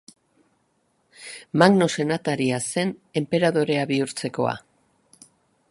Magno senataria zen enperadorea bihurtzekoa.